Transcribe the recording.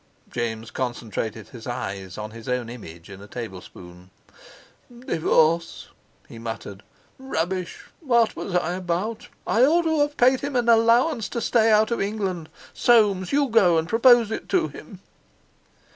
James concentrated his eyes on his own image in a tablespoon. "Divorce!" he muttered; "rubbish! What was I about? I ought to have paid him an allowance to stay out of England. Soames you go and propose it to him."